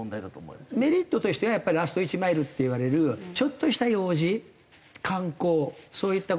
メリットとしてはやっぱり「ラスト１マイル」っていわれるちょっとした用事観光そういった事が。